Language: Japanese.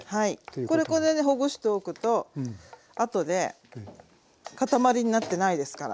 これでほぐしておくとあとで塊になってないですから。